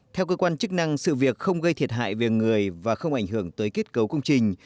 theo cơ quan chức năng sự việc không gây thiệt hại về người và không ảnh hưởng tới kết cấu công trình